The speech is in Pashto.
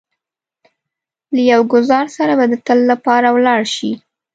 له يو ګوزار سره به د تل لپاره ولاړ شئ.